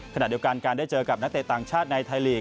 ขณะเดียวกันการได้เจอกับนักเตะต่างชาติในไทยลีก